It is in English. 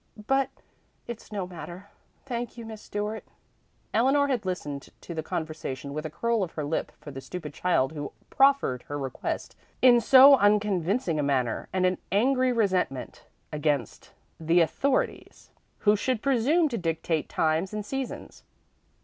But it's no matter. Thank you, Miss Stuart." Eleanor had listened to the conversation with a curl of her lip for the stupid child who proffered her request in so unconvincing a manner, and an angry resentment against the authorities who should presume to dictate times and seasons.